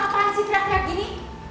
apaan sih teriak teriak gini